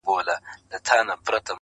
د فقیر لور په دربار کي ملکه سوه-